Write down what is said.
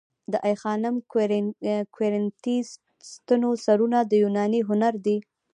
د آی خانم د کورینتی ستونو سرونه د یوناني هنر دي